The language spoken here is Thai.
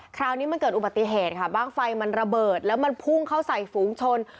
คราวนี้มันเกิดอุบัติเหตุค่ะบ้างไฟมันระเบิดแล้วมันพุ่งเข้าใส่ฝูงชน